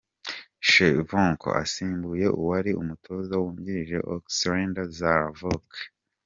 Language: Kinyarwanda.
Shevchenko asimbuye uuwari umutoza wungirije Olexandr Zavarov.